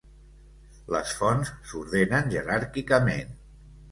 Les fonts s'ordenen jeràrquicament.